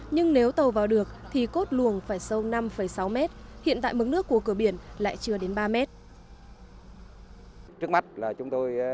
nhưng nếu tàu vào được thì cốt luồng phải sâu năm sáu mét hiện tại mức nước của cửa biển lại chưa đến ba mét